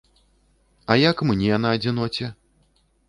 А як мне, на адзіноце?